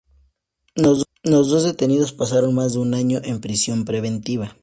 Los detenidos pasaron más de un año en prisión preventiva.